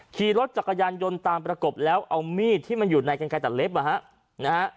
ขี่รถจักรยานยนต์ตามประกบแล้วเอามีดที่มันอยู่ในกันไกลตัดเล็บนะฮะ